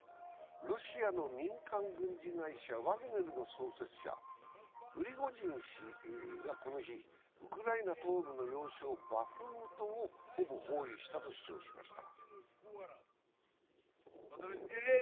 ロシアの民間軍事会社・ワグネルの創設者、プリゴジン氏がこの日ウクライナ東部の要衝・バフムトをほぼ包囲したと主張しました。